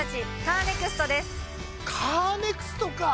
カーネクストか！